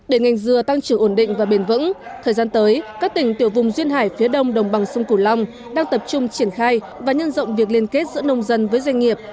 để ngành dừa tăng trưởng ổn định và bền vững thời gian tới các tỉnh tiểu vùng duyên hải phía đông đồng bằng sông cửu long đang tập trung triển khai và nhân rộng việc liên kết giữa nông dân với doanh nghiệp